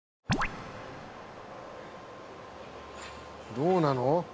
どうなの？